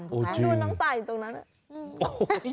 น้องต่ออยู่ตรงนั้น